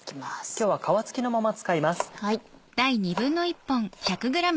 今日は皮付きのまま使います。